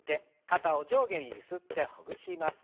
肩を上下にゆすってほぐします。